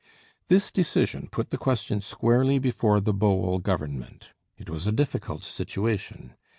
This decision put the question squarely before the Bowell Government. It was a difficult situation.